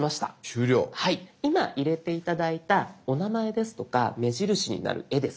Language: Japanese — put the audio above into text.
今入れて頂いたお名前ですとか目印になる絵ですね